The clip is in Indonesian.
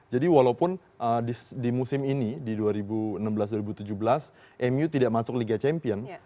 jadi walaupun di musim ini di dua ribu enam belas dua ribu tujuh belas mu tidak masuk liga champion